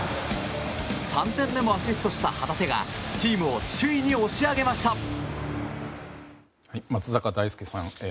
３点目もアシストした旗手がチームを首位に押し上げました。